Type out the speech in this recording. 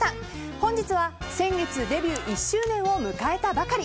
本日は先月デビュー１周年を迎えたばかり。